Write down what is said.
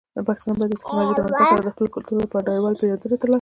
پښتانه به د ټیکنالوجۍ پرمختګ سره د خپلو کلتورونو لپاره نړیواله پیژندنه ترلاسه کړي.